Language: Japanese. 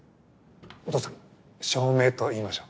お父さん照明と言いましょう。